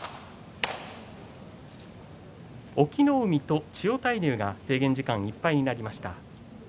隠岐の海と千代大龍が制限時間いっぱいになりました。